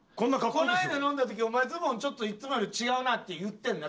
この間飲んだ時「お前ズボンいつもより違うな」って言ってんな。